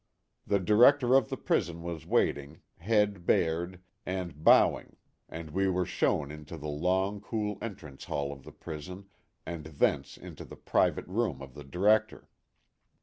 The Director of the prison was waiting, head bared, and bowing, and we were shown into the long cool entrance hall of the prison and thence into the private room of the Director.